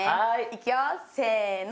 いくよせの！